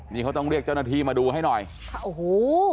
นี่เขาต้องเรียกเจ้าหน้าที่มาดูให้หน่อยค่ะโอ้โห